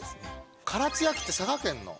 唐津焼って佐賀県の。